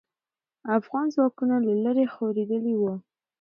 افغان ځواکونه له لرې خورېدلې وو.